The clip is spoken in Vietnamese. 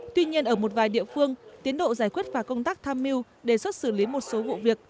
tuy nhiên ở một vài địa phương tiến độ giải quyết và công tác tham mưu đề xuất xử lý một số vụ việc